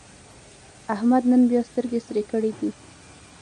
احمد نن بیا سترګې سرې کړې دي.